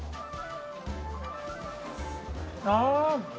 あぁ！